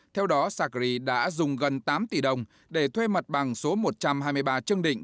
theo đó sacri đã dùng gần tám tỷ đồng để thuê mặt bằng số một trăm hai mươi ba trương định